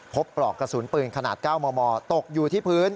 ปลอกกระสุนปืนขนาด๙มมตกอยู่ที่พื้น